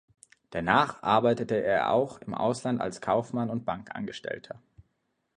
Danach arbeitete er auch im Ausland als Kaufmann und Bankangestellter.